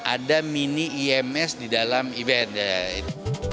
ada mini ims di dalam event